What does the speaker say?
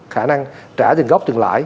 khả năng trả tiền gốc tiền lãi